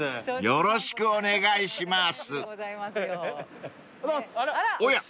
よろしくお願いします］